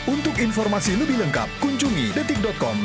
untuk informasi lebih lengkap kunjungi detik com